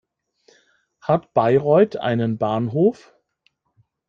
Hat Bayreuth einen Bahnhof?